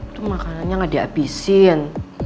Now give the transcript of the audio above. itu makanannya gak dihabisin